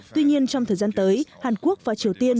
tuy nhiên trong thời gian tới hàn quốc và triều tiên